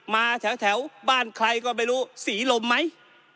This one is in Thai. มาแถวบ้านใครก็ไม่รู้ศรีลมไหม